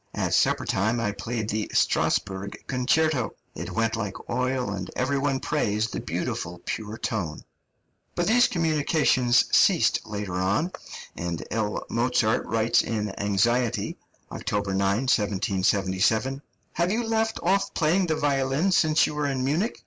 At supper time I played the Strasburg Concerto. It went like oil, and every one praised the beautiful, pure tone." But these communications ceased later on, and L. Mozart writes in anxiety (October 9, 1777): "Have you left off practising the violin since you were in Munich?